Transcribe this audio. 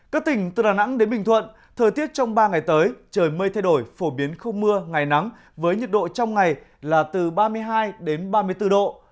các tỉnh từ đà nẵng đến bình thuận thời tiết trong ba ngày tới trời mây thay đổi phổ biến không mưa ngày nắng với nhiệt độ trong ngày là từ ba mươi hai đến ba mươi bốn độ